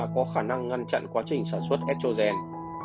tetosterone đã có khả năng ngăn chặn quá trình sản xuất estrogen